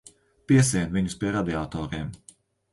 Piesien viņus pie radiatoriem.